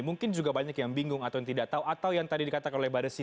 mungkin juga banyak yang bingung atau yang tidak tahu atau yang tadi dikatakan oleh mbak desi